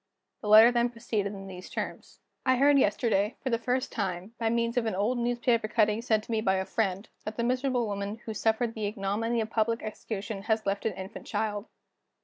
The letter then proceeded in these terms: "I heard yesterday, for the first time, by means of an old newspaper cutting sent to me by a friend, that the miserable woman who suffered the ignominy of public execution has left an infant child.